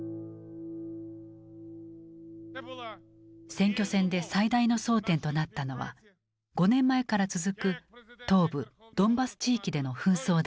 選挙戦で最大の争点となったのは５年前から続く東部ドンバス地域での紛争だった。